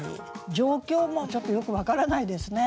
状況もちょっとよく分からないですね。